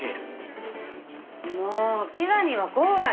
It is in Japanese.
もうピザにはコーラでしょ！